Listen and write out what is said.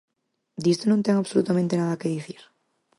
¿Disto non ten absolutamente nada que dicir?